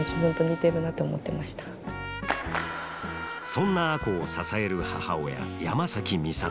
そんな亜子を支える母親山崎美里。